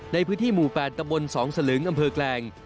ในพื้นที่หมู่๘ตำบล๒สลึงอำเภอแกลง